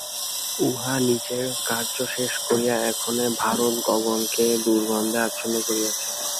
উহা নিজের কার্য শেষ করিয়া এক্ষণে ভারতগগনকে দুর্গন্ধে আচ্ছন্ন করিয়াছে।